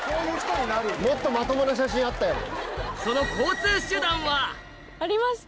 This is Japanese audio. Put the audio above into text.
もっとまともな写真あったやろ。